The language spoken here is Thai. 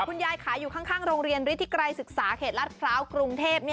คุณยายออกอยู่ข้างโรงเรียนอทิไกรศึกษาเขตราชพระกรุงเทพฯ